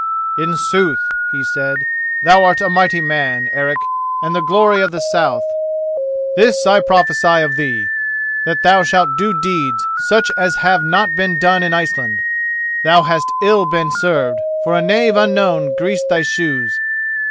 "In sooth," he said, "thou art a mighty man, Eric, and the glory of the south. This I prophesy of thee: that thou shalt do deeds such as have not been done in Iceland. Thou hast ill been served, for a knave unknown greased thy shoes.